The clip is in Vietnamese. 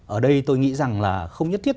ở đây tôi nghĩ rằng là không nhất thiết